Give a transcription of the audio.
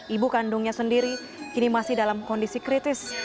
ibu kandungnya sendiri kini masih dalam kondisi kritis